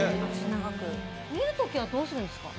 見るときどうするんですか？